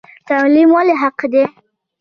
تعلیم ولې حق دی؟